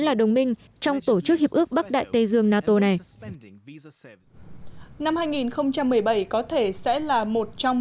là đồng minh trong tổ chức hiệp ước bắc đại tây dương nato này năm hai nghìn một mươi bảy có thể sẽ là một trong